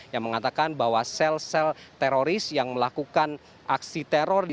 yang mengatakan bahwa sel sel teroris yang melakukan aksi teror